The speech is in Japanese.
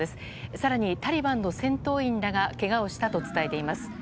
更にタリバンの戦闘員らがけがをしたと伝えています。